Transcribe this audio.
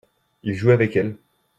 il jouait avec elle.